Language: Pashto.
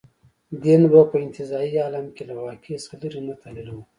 دین به په انتزاعي عالم کې له واقع څخه لرې نه تحلیلوو.